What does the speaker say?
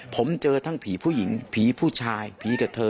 ผมเจอทั้งผีผู้หญิงผีผู้ชายผีกับเธอ